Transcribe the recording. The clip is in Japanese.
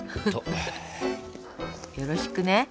よろしくね。